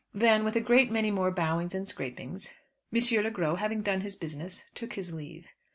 Then, with a great many more bowings and scrapings, M. Le Gros, having done his business, took his leave.